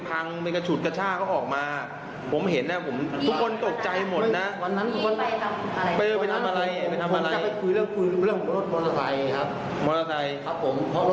มอเตอร์ไซค์ครับผมเพราะรถมอเตอร์ไซค์มันยิ่ง